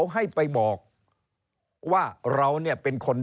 เริ่มตั้งแต่หาเสียงสมัครลง